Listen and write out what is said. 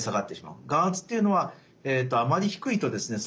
眼圧っていうのはあまり低いとですね